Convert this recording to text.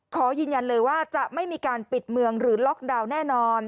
ขอยืนยันเลยว่าจะไม่มีการปิดเมืองหรือล็อกดาวน์แน่นอน